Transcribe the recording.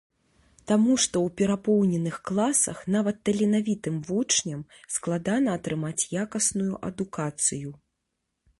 Таму што ў перапоўненых класах нават таленавітым вучням складана атрымаць якасную адукацыю.